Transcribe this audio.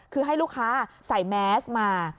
คือให้ลูกค้าใส่แมสมา